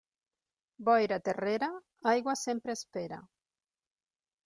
Boira terrera, aigua sempre espera.